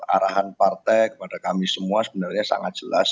arahan partai kepada kami semua sebenarnya sangat jelas